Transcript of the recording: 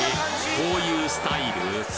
こういうスタイル？